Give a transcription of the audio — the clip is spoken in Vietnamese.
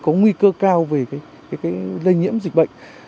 có nguy cơ cao về lây nhiễm dịch bệnh